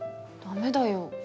駄目だよ。